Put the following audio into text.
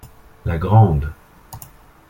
La grande.